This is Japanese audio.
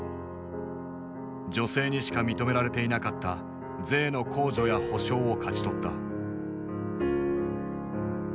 女性にしか認められていなかった税の控除や保障を勝ち取った。